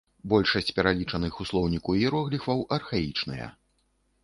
Большасць пералічаных у слоўніку іерогліфаў архаічныя.